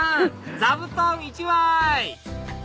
座布団１枚！